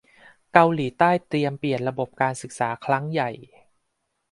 เกาหลีใต้เตรียมเปลี่ยนระบบการศึกษาครั้งใหญ่